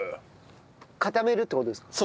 「固める」って事ですか？